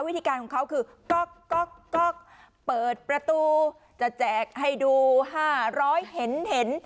วิธีการของเขาคือก็เปิดประตูจะแจกให้ดู๕๐๐เห็น